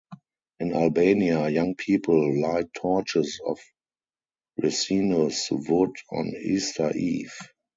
In Albania, young people light torches of resinous wood on Easter Eve.